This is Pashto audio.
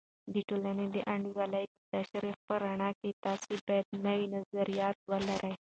د ټولنې د انډول د تشریح په رڼا کې، تاسې باید نوي نظریات ولرئ.